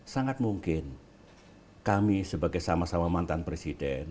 sangat mungkin kami sebagai sama sama mantan presiden